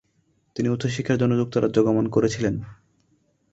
তিনি উচ্চশিক্ষার জন্য যুক্তরাজ্য গমন করেছিলেন।